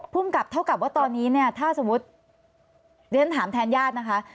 พูดกับเท่ากับว่าตอนนี้ถ้าสมมติถ้าถามแทนญาตินะคะ